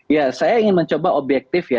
ya saya ingin mencoba objektif ya